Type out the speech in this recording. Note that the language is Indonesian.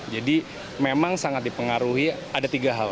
jadi memang sangat dipengaruhi ada tiga hal